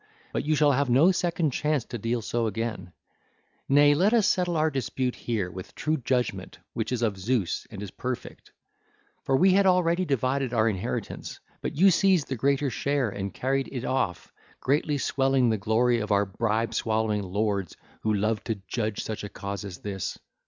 But you shall have no second chance to deal so again: nay, let us settle our dispute here with true judgement divided our inheritance, but you seized the greater share and carried it off, greatly swelling the glory of our bribe swallowing lords who love to judge such a cause as this.